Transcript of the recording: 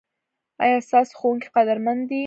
ایا ستاسو ښوونکي قدرمن دي؟